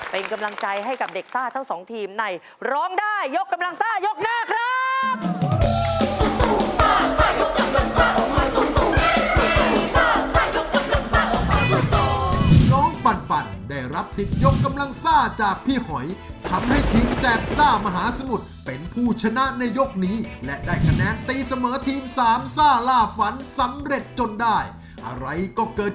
เป็นกำลังใจให้กับเด็กซ่าทั้งสองทีมในร้องได้ยกกำลังซ่ายกหน้าครับ